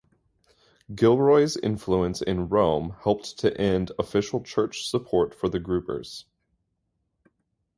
Gilroy's influence in Rome helped to end official Church support for the Groupers.